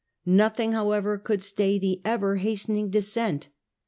Nothing however could stay the ever hastening descent.